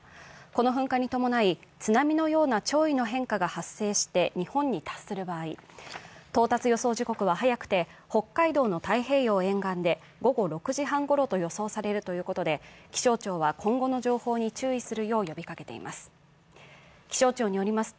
この噴火に伴い、津波のような潮位の変化が発生して日本に達する場合、到達予想時刻は早くて北海道の太平洋沿岸で午後６時半ごろと予想されるということで気象庁は、今後の情報に注意するよう呼びかけています。